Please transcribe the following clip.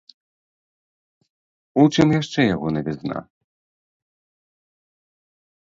У чым яшчэ яго навізна.